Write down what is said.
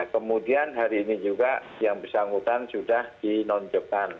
kemudian hari ini juga yang bersangkutan sudah dinonjokkan